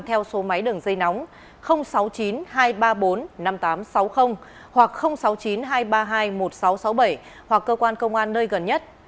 theo số máy đường dây nóng sáu mươi chín hai trăm ba mươi bốn năm nghìn tám trăm sáu mươi hoặc sáu mươi chín hai trăm ba mươi hai một nghìn sáu trăm sáu mươi bảy hoặc cơ quan công an nơi gần nhất